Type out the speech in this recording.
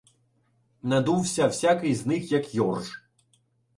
Надувся всякий з них, як йорж.